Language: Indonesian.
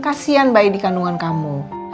kasian bayi di kandungan kamu